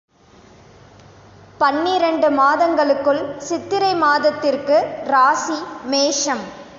பன்னிரண்டு மாதங்களுக்குள் சித்திரை மாதத்திற்கு ராசி மேஷம்.